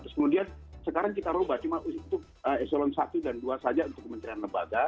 terus kemudian sekarang kita ubah cuma untuk eselon satu dan dua saja untuk kementerian lembaga